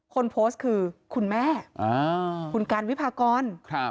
คนโพสต์คือคุณแม่คุณกันวิพากร